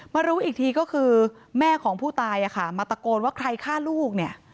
รู้อีกทีก็คือแม่ของผู้ตายมาตะโกนว่าใครฆ่าลูกเนี่ย